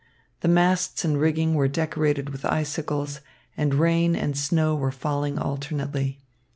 The masts and rigging were decorated with icicles, and rain and snow were falling alternately.